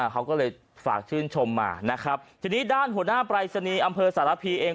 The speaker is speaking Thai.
เขาก็เลยฝากชื่นชมมานะครับทีนี้ด้านหัวหน้าปรายศนีย์อำเภอสารพีเอง